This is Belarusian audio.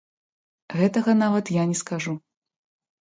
Гэтага нават я не скажу.